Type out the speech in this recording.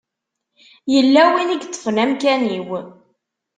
Yella win i yeṭṭfen amkan-iw.